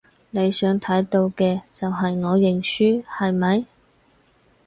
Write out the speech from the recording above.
你想睇到嘅就係我認輸，係咪？